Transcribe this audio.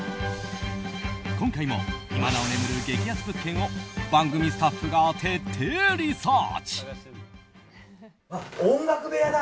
今回も、今なお眠る激安物件を番組スタッフが徹底リサーチ！